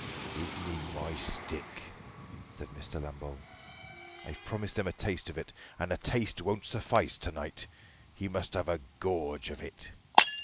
"Give me my stick," said Mr. Lambole. "I've promised him a taste of it, and a taste won't suffice to night; he must have a gorge of it."